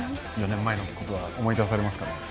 ４年前のことは思い出されますか？